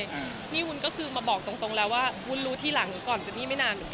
วุ้นอะไรนี่วุ้นก็คือมาบอกตรงแล้วว่าวุ้นรู้ทีหลังตอนเจนี่ไม่นานเหรอ